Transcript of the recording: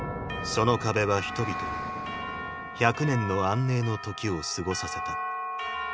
その壁は人々に１００年の安寧の時を過ごさせた。